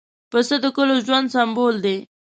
پسه د کلیو ژوند سمبول دی.